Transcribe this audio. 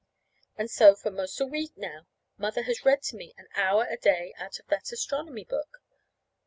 And so, for 'most a week now, Mother has read to me an hour a day out of that astronomy book.